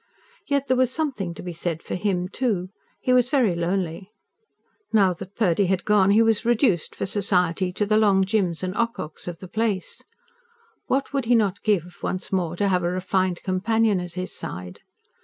Yet there was something to be said for him, too. He was very lonely. Now that Purdy had gone he was reduced, for society, to the Long Jims and Ococks of the place. What would he not give, once more to have a refined companion at his side?